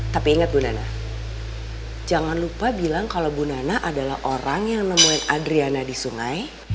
tapi ingat bu nana jangan lupa bilang kalau bu nana adalah orang yang nemuin adriana di sungai